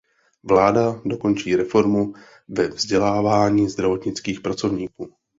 Vláda dokončí reformu ve vzdělávání zdravotnických pracovníků.